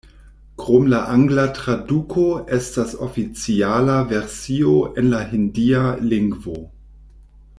Krom la angla traduko estas oficiala versio en la hindia lingvo.